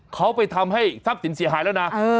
เขาไปทำให้ทรัพย์สินเสียหายแล้วนะ